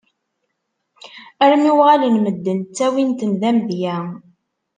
Armi uɣalen medden ttawin-ten d amedya!